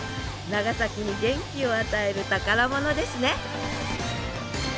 長崎に元気を与える宝物ですね！